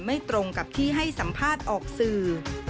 ไม่ตรงกับที่ให้สัมภาษณ์ออกสื่อ